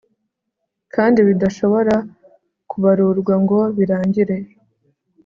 kandi bidashobora kubarurwa ngo birangire